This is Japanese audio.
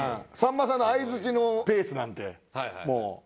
さんまさんの相づちのペースなんてもう。